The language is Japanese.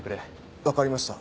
わかりました。